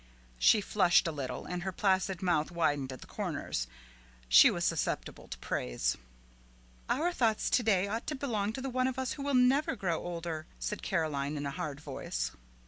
She flushed a little, and her placid mouth widened at the corners. She was susceptible to praise. "Our thoughts to day ought to belong to the one of us who will never grow older," said Caroline in a hard voice.